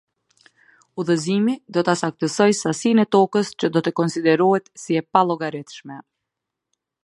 Udhëzimi do ta saktësojë sasinë e tokës që do të konsiderohet si e pallogaritshme.